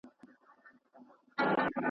هر قدم د مرګي لومي له هر ګامه ګیله من یم .